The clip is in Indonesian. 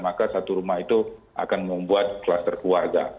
maka satu rumah itu akan membuat kluster keluarga